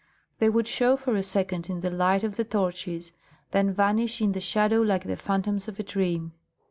They would show for a second in the light of the torches, then vanish in the shadow like the phantoms of a dream.